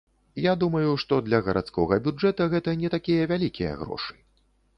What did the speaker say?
Я думаю, што для гарадскога бюджэта гэта не такія вялікія грошы.